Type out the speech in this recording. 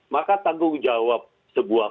maka tanggung jawab sebuah